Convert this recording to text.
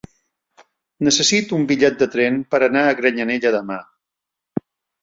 Necessito un bitllet de tren per anar a Granyanella demà.